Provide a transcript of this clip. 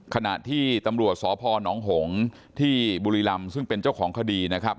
ขณะที่ตำรวจสพนหงษ์ที่บุรีรำซึ่งเป็นเจ้าของคดีนะครับ